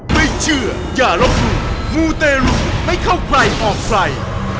ไม่เชื่ออย่ารบงูงูเต็นลุงไม่เข้ากลัยออกฝัย